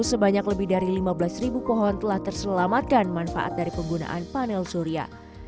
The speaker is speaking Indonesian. sebanyak lebih dari lima belas ribu pohon telah terselamatkan manfaat dari penggunaan panel surya